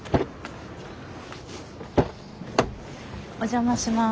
お邪魔します。